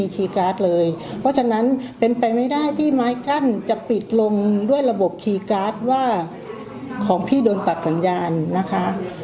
เพราะฉะนั้นเป็นไปไม่ได้ที่ไม้กั้นจะปิดลงด้วยระบบคีย์การ์ดว่าของพี่โดนตัดสัญญาณนะคะ